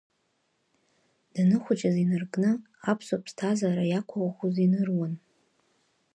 Даныхәыҷыз инаркны, аԥсуа ԥсҭазаара иақәыӷәӷәоз иныруан.